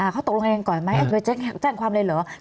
เขาตกลงกันก่อนไหมแจ้งความเลยเหรอ